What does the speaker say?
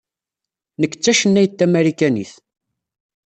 Nekk d tacennayt tamarikanit.